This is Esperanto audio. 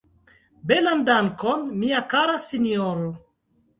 Belan dankon, mia kara sinjoro!